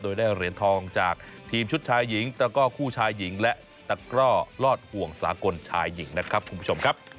โดยได้เหรียญทองจากทีมชุดชายหญิงตะก้อคู่ชายหญิงและตะกร่อลอดห่วงสากลชายหญิงนะครับคุณผู้ชมครับ